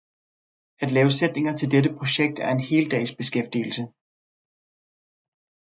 At lave sætninger til dette projekt er en heldagsbeskæftigelse.